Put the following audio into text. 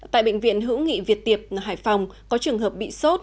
tại bệnh viện hữu nghị việt tiệp hải phòng có trường hợp bị sốt